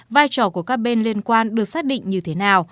vai trò của các bên liên quan được xác định như thế nào